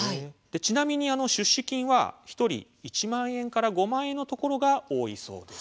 ちなみに出資金は１人１万円から５万円のところが多いそうです。